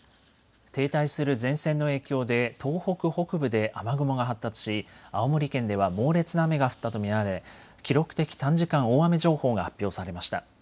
停滞する前線の影響で東北北部で雨雲が発達し青森県では猛烈な雨が降ったと見られ記録的短時間大雨情報が発表されました。